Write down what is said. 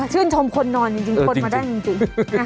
ชื่นชมคนนอนจริงคนมาได้จริง